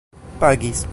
pagis